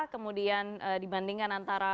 kemudian dibandingkan antara